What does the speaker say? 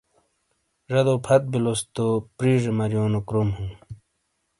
جدو پھت بِلوس تو پرِیجے مَریونو کروم ہوں۔